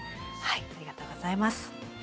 ありがとうございます。